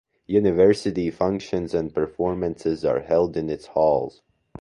University functions and performances are held in its halls.